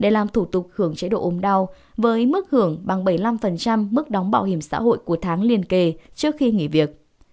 để làm thủ tục hưởng chế độ ốm đau với mức hưởng bằng bảy mươi năm mức đóng bảo hiểm xã hội của tháng liên kề trước khi nghỉ việc